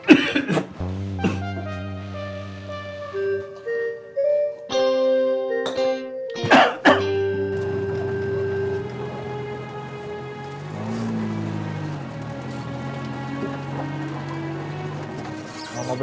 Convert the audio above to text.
om siang tuhan juga